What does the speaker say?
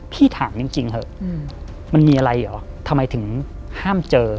พี่ถามจริงเถอะมันมีอะไรเหรอทำไมถึงห้ามเจอ